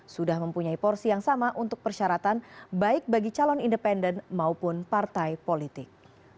sudah mempunyai porsi yang sama untuk persyaratan baik bagi calon independen maupun partai politik